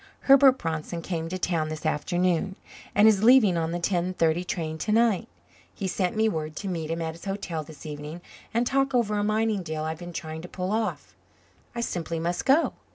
Herbert Bronson came to town this afternoon and is leaving on the 10.30 train to night. He's sent me word to meet him at his hotel this evening and talk over a mining deal I've been trying to pull off. I simply must go.